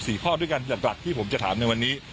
๔ข้อด้วยกันหลักที่ผมจะถามในวันนี้